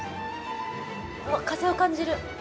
うわ、風邪を感じる。